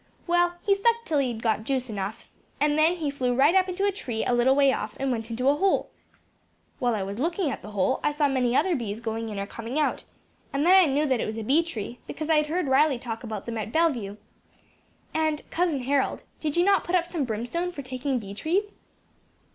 Well, he sucked till he had got juice enough, then he flew right up into a tree a little way off, and went into a hole. While I was looking at that hole, I saw many other bees going in or coming out; and then I knew that it was a bee tree, because I had heard Riley talk about them at Bellevue. And, Cousin Harold, did you not put up some brimstone for taking bee trees?"